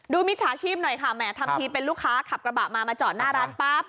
มิจฉาชีพหน่อยค่ะแหมทำทีเป็นลูกค้าขับกระบะมามาจอดหน้าร้านปั๊บ